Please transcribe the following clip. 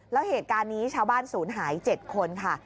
แล้วเหตุการณ์นี้ชาวบ้านศูนย์หาย๗คนค่ะ